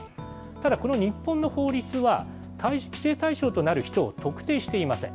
ただ、この日本の法律は、規制対象となる人を特定していません。